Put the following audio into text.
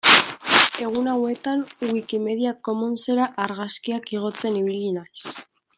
Egun hauetan Wikimedia Commonsera argazkiak igotzen ibili naiz.